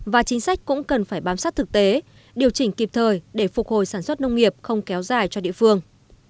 và chính sách cũng cần phải bám sát thực tế điều chỉnh kịp thời để phục hồi sản xuất nông nghiệp không kéo dài cho địa phương